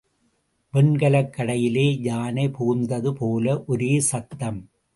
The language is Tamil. வெண்கலக் கடையிலே யானை புகுந்தது போல ஒரே சத்தம்.